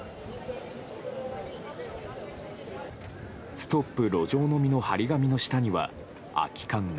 「ＳＴＯＰ！路上飲み」の貼り紙の下には空き缶が。